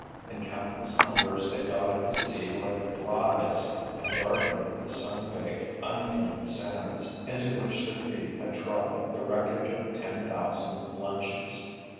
In countless numbers, they dotted the sea like flies and darkened the sun baked, unclean sands, into which their feet had trodden the wreckage of ten thousand lunches.